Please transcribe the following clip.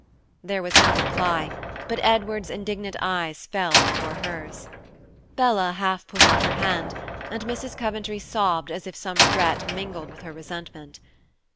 There was no reply, but Edward's indignant eyes fell before hers. Bella half put out her hand, and Mrs. Coventry sobbed as if some regret mingled with her resentment.